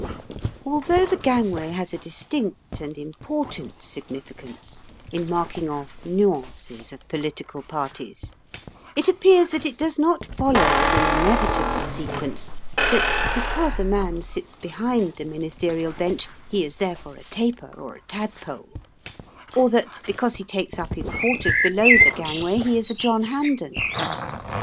Although the gangway has a distinct and important significance in marking off nuances of political parties, it appears that it does not follow as an inevitable sequence that because a man sits behind the Ministerial bench he is therefore a Taper or a Tadpole, or that because he takes up his quarters below the gangway he is a John Hampden.